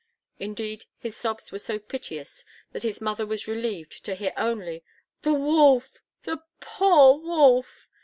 Indeed, his sobs were so piteous that his mother was relieved to hear only, "The wolf! the poor wolf!"